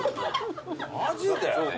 マジで？